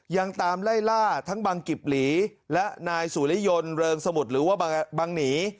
ยังตามไล่ล่าทั้งบังกิบหลีและนายสุริยนต์เริงสมุทรหรือว่าบังหนี